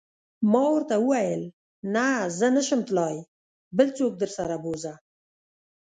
ما ورته وویل: نه، زه نه شم تلای، بل څوک درسره و بوزه.